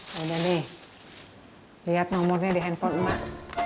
ya udah nih lihat nomornya di handphone mak